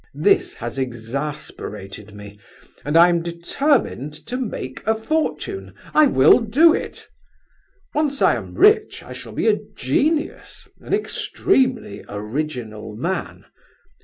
This has exasperated me, and I am determined to make a fortune! I will do it! Once I am rich, I shall be a genius, an extremely original man.